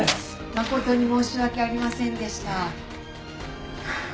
「誠に申し訳ありませんでした」ハァ。